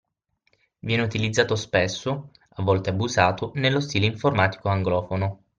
Viene utilizzato spesso (a volte abusato) nello stile informatico anglofono